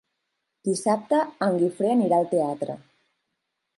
Dissabte en Guifré anirà al teatre.